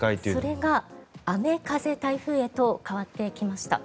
それが雨風台風へと変わってきました。